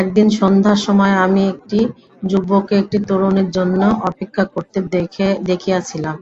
একদিন সন্ধ্যার সময় আমি একটি যুবককে একটি তরুণীর জন্য অপেক্ষা করিতে দেখিয়াছিলাম।